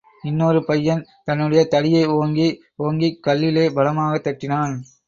இன்னொரு பையன் தன்னுடைய தடியை ஓங்கி, ஓங்கிக் கல்லிலே பலமாகத் தட்டினான்.